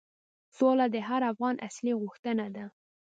سوله د هر افغان اصلي غوښتنه ده.